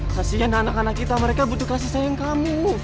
kasian anak anak kita mereka butuh kasih sayang kami